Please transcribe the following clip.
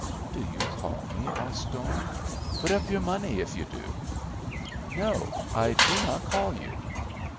"Do you call me?" asked Storm. "Put up your money if you do." "No, I do not call you."